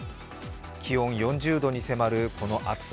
気温４０度に迫るこの暑さ。